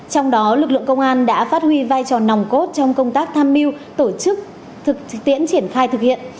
trong đó lực lượng công an đã phát huy vai trò nòng cốt trong công tác tham mưu tổ chức thực tiễn triển khai thực hiện